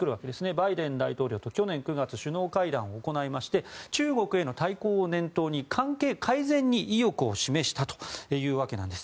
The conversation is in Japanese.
バイデン大統領と去年９月首脳会談を行いまして中国への対抗を念頭に関係改善に意欲を示したというわけなんです。